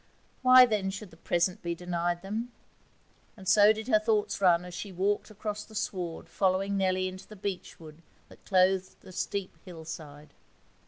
Why then should the present be denied them? And so did her thoughts run as she walked across the sward following Nellie into the beech wood that clothed the steep hillside.